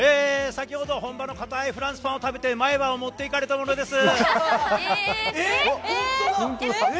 先ほど、本場のかたいフランスパンを食べて前歯を持っていかれた者です。